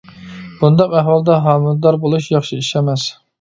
بۇنداق ئەھۋالدا ھامىلىدار بولۇش ياخشى ئىش ئەمەس.